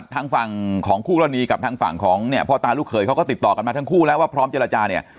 ทางฝั่งของคู่กรณีกับทางฝั่งของเนี่ยพ่อตาลูกเขยเขาก็ติดต่อกันมาทั้งคู่แล้วว่าพร้อมเจรจาเนี่ย